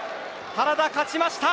原田勝ちました。